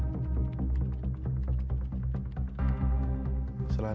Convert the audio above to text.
kepon yang sudah terinfeksi malware